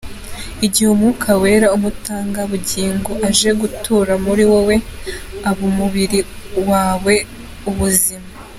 Igihe Umwuka Wera –Umutanga-bugingo – aje gutura muri wowe, aha umubiri wawe ubuzima.